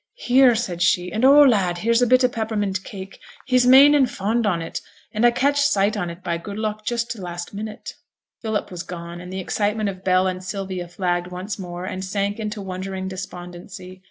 'Here,' said she; 'and oh, lad, here's a bit o' peppermint cake; he's main and fond on it, and I catched sight on it by good luck just t' last minute.' Philip was gone, and the excitement of Bell and Sylvia flagged once more, and sank into wondering despondency.